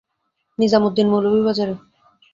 Nizam Uddin, Moulvibazar.